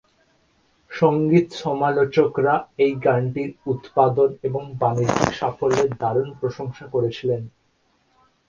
সংগীত সমালোচকরা এই গানটির উৎপাদন এবং বাণিজ্যিক সাফল্যের দারুণ প্রশংসা করেছিলেন।